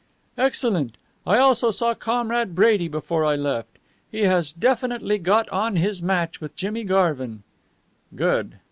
"Excellent. I also saw Comrade Brady before I left. He has definitely got on his match with Jimmy Garvin." "Good.